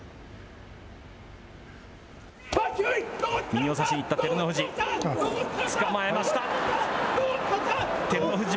右を差しに行った照ノ富士。